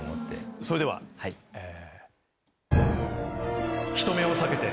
それではえぇ。